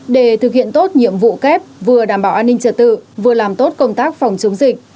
để thực hiện tốt nhiệm vụ kép vừa đảm bảo an ninh trật tự vừa làm tốt công tác phòng chống dịch